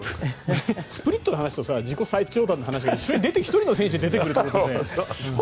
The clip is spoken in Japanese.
スプリットの話と自己最長弾の話が１人の選手で出てくるって。